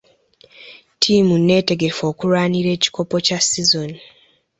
Ttiimu neetegefu okulwanira ekikopo kya sizoni.